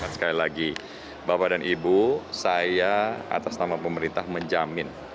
sekali lagi bapak dan ibu saya atas nama pemerintah menjamin